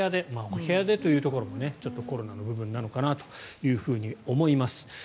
お部屋でというところもコロナの部分なのかなと思います。